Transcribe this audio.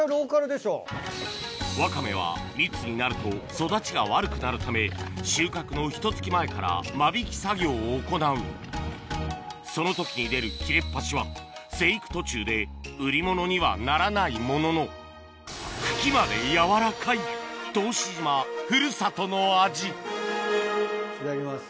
わかめは密になると育ちが悪くなるため収穫のひと月前から間引き作業を行うその時に出る切れっ端は生育途中で売り物にはならないものの茎まで柔らかい答志島古里の味いただきます。